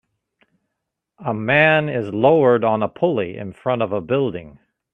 A man is lowered on a pulley in front of a building